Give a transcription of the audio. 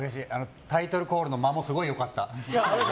タイトルコールの間もすごく良かった。